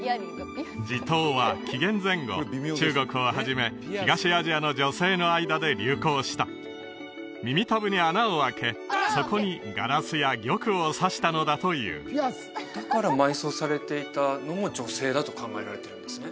耳とうは紀元前後中国をはじめ東アジアの女性の間で流行した耳たぶに穴をあけそこにガラスや玉をさしたのだというだから埋葬されていたのも女性だと考えられてるんですね